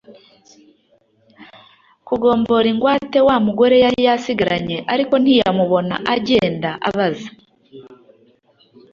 kugombora ingwate wa mugore yari yasigaranye ariko ntiyamubona Agenda abaza